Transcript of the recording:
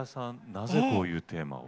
なぜこういうテーマを？